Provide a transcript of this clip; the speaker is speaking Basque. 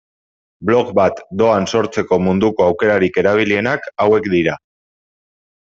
Blog bat doan sortzeko munduko aukerarik erabilienak hauek dira.